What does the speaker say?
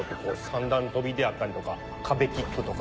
三段跳びであったりとか壁キックとか。